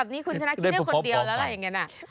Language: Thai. นี้คุณชนะคิดได้คนเดียวแล้วอะไรอย่างนี้นะ